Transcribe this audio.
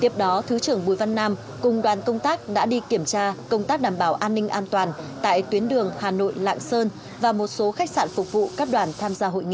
tiếp đó thứ trưởng bùi văn nam cùng đoàn công tác đã đi kiểm tra công tác đảm bảo an ninh an toàn tại tuyến đường hà nội lạng sơn và một số khách sạn phục vụ các đoàn tham gia hội nghị